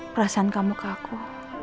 perasaan kamu ke aku